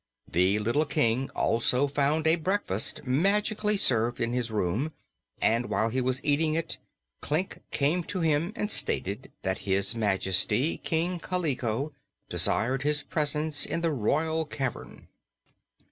The little King also found a breakfast magically served in his room, and while he was eating it, Klik came to him and stated that His Majesty, King Kaliko, desired his presence in the royal cavern.